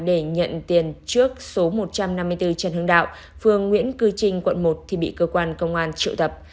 để nhận tiền trước số một trăm năm mươi bốn trần hưng đạo phường nguyễn cư trinh quận một thì bị cơ quan công an triệu tập